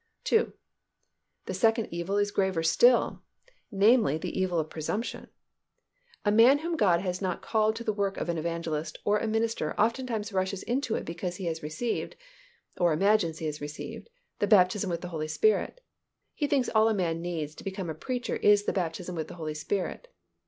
(2) The second evil is graver still, namely, the evil of presumption. A man whom God has not called to the work of an evangelist or a minister oftentimes rushes into it because he has received, or imagines he has received, the baptism with the Holy Spirit. He thinks all a man needs to become a preacher is the baptism with the Holy Spirit.